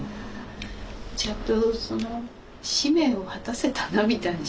ちゃんと使命を果たせたなみたいな。